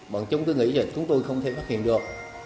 bọn chúng cứ nghĩ rằng chúng tôi không thể phát hiện được